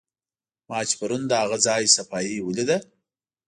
ما چې پرون د هغه ځای صفایي ولیده.